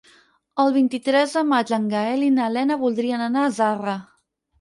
El vint-i-tres de maig en Gaël i na Lena voldrien anar a Zarra.